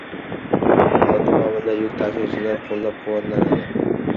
Avtomobilda yuk tashuvchilar qo‘llab-quvvatlanadi